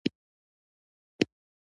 هیلۍ د ټولنې مثالي غړې ده